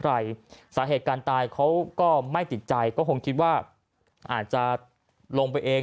สาเหตุการตายเขาก็ไม่ติดใจก็คงคิดว่าอาจจะลงไปเอง